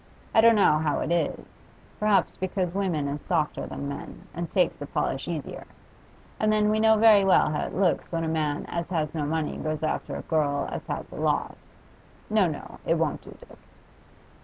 I don't know how it is; perhaps because women is softer than men, and takes the polish easier. And then we know very well how it looks when a man as has no money goes after a girl as has a lot. No, no; it won't do, Dick.